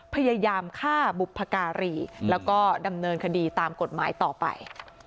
พยายามฆ่าบุพการีแล้วก็ดำเนินคดีตามกฎหมายต่อไป